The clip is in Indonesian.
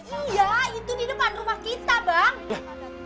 iya itu di depan rumah kita bang